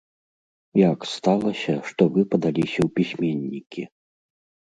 Як сталася, што вы падаліся ў пісьменнікі?